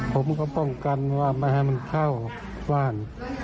ผมก็ป้องกันว่าไม่ให้มันเข้าบ้าน